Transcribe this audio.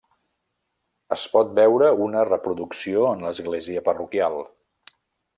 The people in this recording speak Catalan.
Es pot veure una reproducció en l'Església parroquial.